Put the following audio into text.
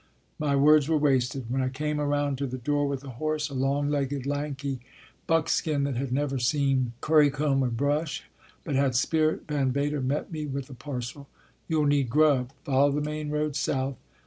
My words were wasted. When I came around to the door with the horse, At Two Forks 13 a long legged, lanky buckskin that had never seen currycomb or brush but had spirit, Van Vader met me with a parcel. " You ll need grub. Follow the main road south.